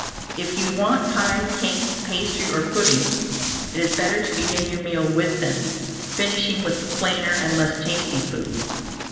If you want pie, cake, pastry or puddings, it is better to begin your meal with them, finishing with the plainer and less tasty foods.